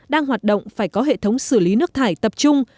đang hoạt động phải có hệ thống xử lý nước thải tập trung